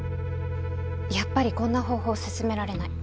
やっぱりこんな方法勧められない。